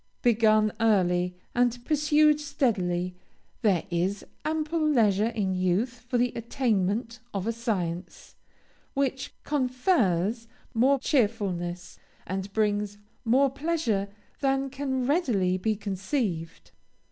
Begun early, and pursued steadily, there is ample leisure in youth for the attainment of a science, which confers more cheerfulness, and brings more pleasure than can readily be conceived.